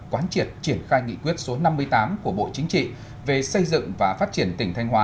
quán triệt triển khai nghị quyết số năm mươi tám của bộ chính trị về xây dựng và phát triển tỉnh thanh hóa